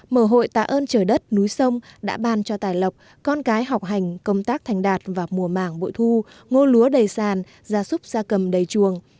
mở hội tạ ơn trời đất núi sông đã ban cho tài lộc con cái học hành công tác thành đạt vào mùa màng bội thu ngô lúa đầy sàn gia súc gia cầm đầy chuồng